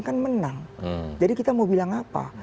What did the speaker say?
kan menang jadi kita mau bilang apa